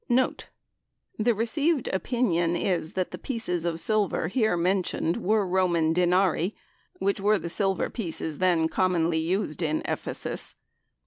The received opinion is that the "pieces of silver" here mentioned were Roman denarii, which were the silver pieces then commonly used in Ephesus.